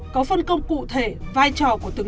có phân công cụ thể vai trò của từng đối tượng